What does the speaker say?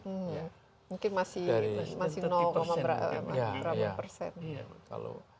mungkin masih lima persen